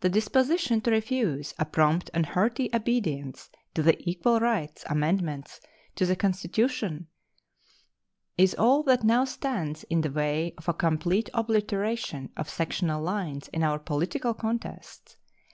The disposition to refuse a prompt and hearty obedience to the equal rights amendments to the Constitution is all that now stands in the way of a complete obliteration of sectional lines in our political contests.